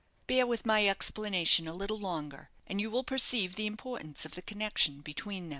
Bear with my explanation a little longer, and you will perceive the importance of the connection between them."